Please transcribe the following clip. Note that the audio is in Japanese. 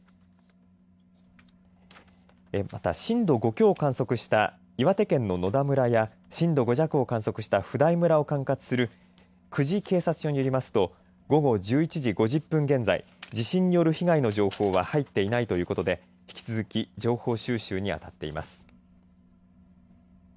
また震度５強を観測した岩手県の野田村や震度５弱を観測した普代村を管轄する久慈警察署によりますと午後１１時で５０分現在地震による被害の情報は入っていないということで引き続き情報収集にあたっています。